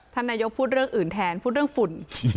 ท่านนายกพูดเรื่องอื่นแทนพูดเรื่องฝุ่น